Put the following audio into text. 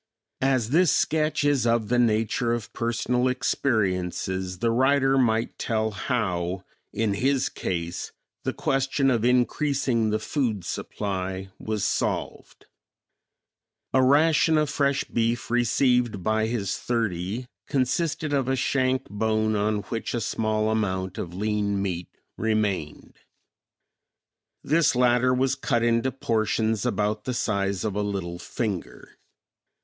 As this sketch is of the nature of personal experiences, the writer might tell how, in his case, the question of increasing the food supply was solved. A ration of fresh beef received by his thirty consisted of a shank bone on which a small amount of lean meat remained. This latter was cut into portions about the size of a little finger.